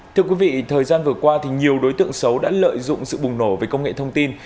thưa quý vị thời gian vừa qua nhiều đối tượng xấu đã lợi dụng sự bùng nổ về công nghệ thông tin